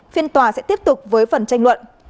phiên tòa sẽ tiếp tục với phần tranh luận